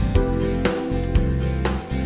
lima bulan aja gak berasa